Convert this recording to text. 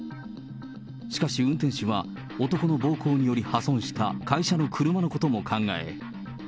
しかし運転手は、男の暴行により破損した会社の車のことも考え。